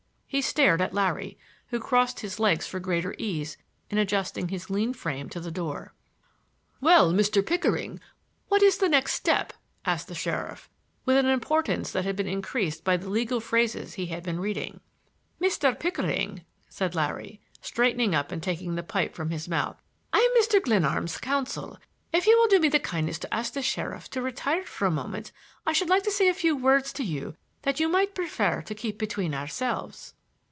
He stared at Larry, who crossed his legs for greater ease in adjusting his lean frame to the door. "Well, Mr. Pickering, what is the next step?" asked the sheriff, with an importance that had been increased by the legal phrases he had been reading. "Mr. Pickering," said Larry, straightening up and taking the pipe from his mouth, "I'm Mr. Glenarm's counsel. If you will do me the kindness to ask the sheriff to retire for a moment I should like to say a few words to you that you might prefer to keep between ourselves."